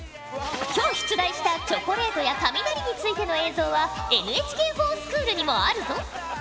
今日出題したチョコレートや雷についての映像はＮＨＫｆｏｒＳｃｈｏｏｌにもあるぞ。